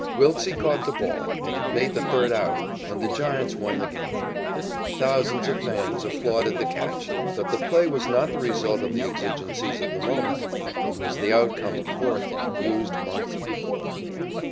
Wiltse caught the ball, and it made the third out, and the Giants won the game. Thousands of fans applauded the catch, but the play was not the result of the exigencies of the moment. It was the outcome of forethought used months before.